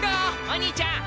お兄ちゃん。